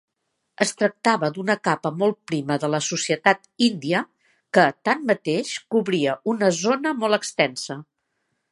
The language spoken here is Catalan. Es tractava d'una capa molt prima de la societat índia que, tanmateix, cobria una zona molt extensa.